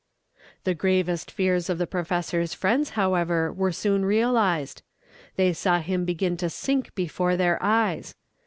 The gravest fears of the professor's friends, however, were soon realized. They saw him begin to sink before their eyes.